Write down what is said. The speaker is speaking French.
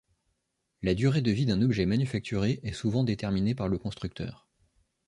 La durée de vie d'un objet manufacturé est souvent déterminée par le constructeur.